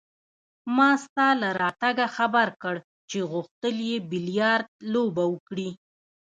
ما ستا له راتګه خبر کړ چې غوښتل يې بیلیارډ لوبه وکړي.